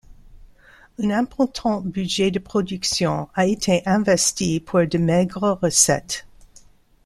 Un important budget de production a été investi pour de maigres recettes.